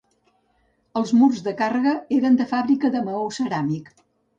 Els murs de càrrega eren de fàbrica de maó ceràmic.